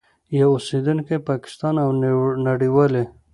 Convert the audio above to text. یو اوسېدونکی پاکستان او نړیوالي